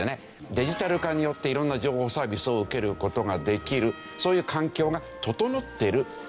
デジタル化によって色んな情報サービスを受ける事ができるそういう環境が整っているという。